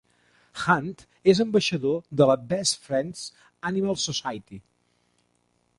Hunt és ambaixador de la Best Friends Animal Society.